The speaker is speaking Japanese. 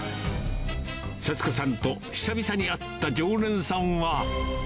節子さんと久々に会った常連さんは。